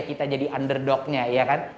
kita jadi underdognya ya kan